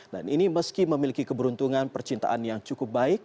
dan ini meski memiliki keberuntungan percintaan yang cukup baik